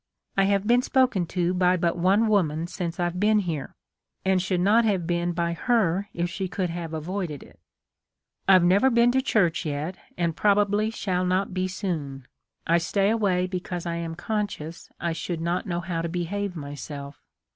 I have been spoken to by but one woman since I've been here, and should not have been by her if she could have avoided it. I've never been to church yet, and probably shall not be soon. I stay away because I am conscious I should not know how to behave myself.